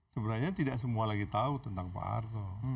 sebenarnya tidak semua lagi tahu tentang pak harto